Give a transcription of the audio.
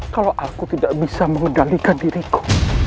kalau aku tidak bisa mengendalikan diriku